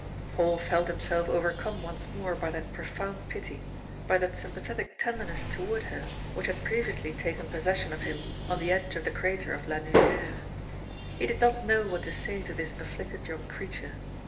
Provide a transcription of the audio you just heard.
Paul felt himself overcome once more by that profound pity, by that sympathetic tenderness toward her which had previously taken possession of him on the edge of the crater of La Nugère. He did not know what to say to this afflicted young creature.